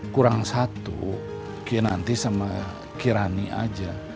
kurang satu kinanti sama kirani aja